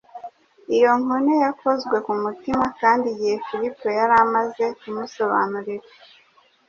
iyo nkone yakozwe ku mutima, kandi igihe Filipo yari amaze kumusobanurira,